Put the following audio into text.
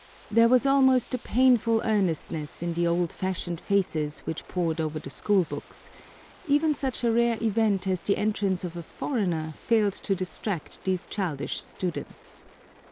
There was almost a painful earnestness in the old fashioned faces which pored over the school books; even such a rare event as the entrance of a foreigner failed to distract these childish students.